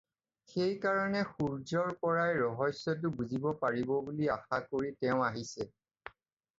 সেই কাৰণে সূৰ্য্যৰ পৰাই ৰহস্যটো বুজিব পাৰিব বুলি আশা কৰি তেওঁ আহিছে।